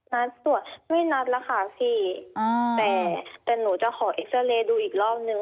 นัดตรวจไม่นัดละคะพี่อ๋อแต่แต่หนูจะขอดูอีกรอบหนึ่ง